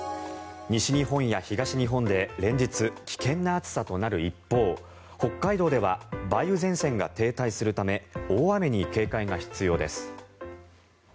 西日本や東日本で連日、危険な暑さとなる一方北海道では梅雨前線が停滞するため大雨に警戒が必要です。